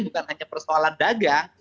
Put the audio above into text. bukan hanya persoalan dagang